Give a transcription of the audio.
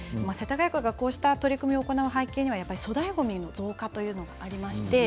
世田谷区がこうした取り組みを行う背景には粗大ごみの増加があります。